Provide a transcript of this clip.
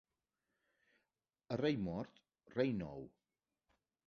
A rei mort, rei nou.